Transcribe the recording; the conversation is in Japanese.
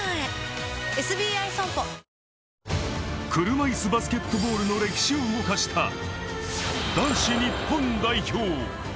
車いすバスケットボールの歴史を動かした男子日本代表。